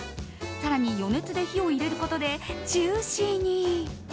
更に余熱で火を入れることでジューシーに。